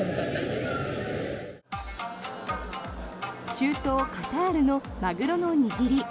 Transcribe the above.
中東カタールのマグロの握り。